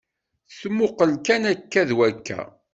Tmuqel kan akka d wakka.